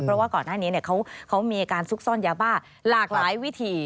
เพราะว่าก่อนหน้านี้เขามีการซุกซ่อนยาบ้าหลากหลายวิธี